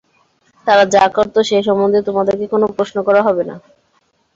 তারা যা করত সে সম্বন্ধে তোমাদেরকে কোন প্রশ্ন করা হবে না।